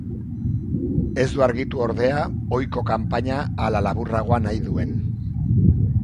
Ez du argitu, ordea, ohiko kanpaina ala laburragoa nahi duen.